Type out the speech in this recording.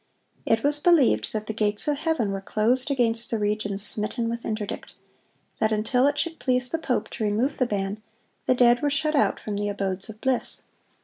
It was believed that the gates of heaven were closed against the region smitten with interdict; that until it should please the pope to remove the ban, the dead were shut out from the abodes of bliss.